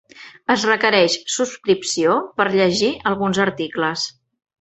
Es requereix subscripció per llegir alguns articles.